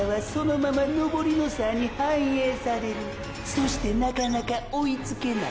そしてなかなか追いつけない。